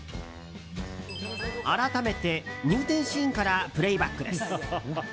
改めて入店シーンからプレーバックです。